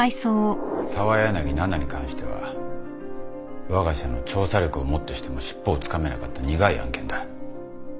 澤柳菜々に関してはわが社の調査力をもってしても尻尾をつかめなかった苦い案件だ